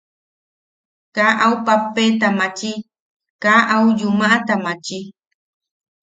Kaa au pappeta maachi, kaa au yumaʼata maachi.